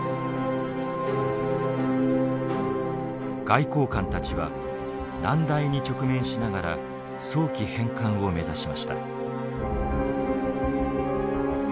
外交官たちは難題に直面しながら早期返還を目指しました。